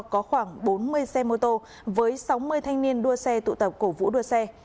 có khoảng bốn mươi xe mô tô với sáu mươi thanh niên đua xe tụ tập cổ vũ đua xe